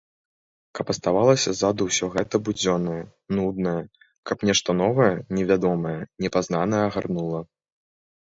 Каб аставалася ззаду ўсё гэта будзённае, нуднае, каб нешта новае, невядомае, непазнанае агарнула.